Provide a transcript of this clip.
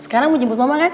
sekarang mau jemput mama kan